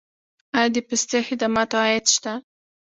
آیا د پستي خدماتو عاید شته؟